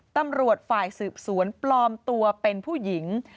ตำรวจฝ่ายสืบสวนปลอมตัวเป็นผู้หญิง